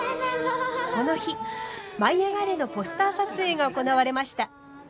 この日「舞いあがれ！」のポスター撮影が行われました。